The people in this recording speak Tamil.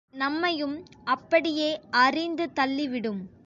நம்மையும் அப்படியே அரிந்து தள்ளிவிடும்!